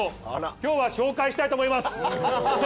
今日は紹介したいと思います。